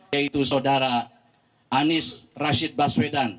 yaitu saudara anies rashid baswedan